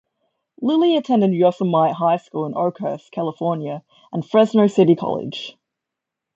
Lilly attended Yosemite High School in Oakhurst, California, and Fresno City College.